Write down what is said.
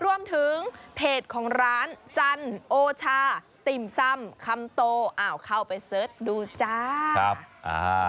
รวมถึงเพจของร้านจันโอชาติ่มซ่ำคำโตอ้าวเข้าไปเสิร์ชดูจ้าครับอ่า